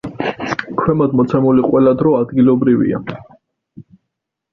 ქვემოთ მოცემული ყველა დრო ადგილობრივია.